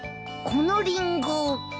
このリンゴ。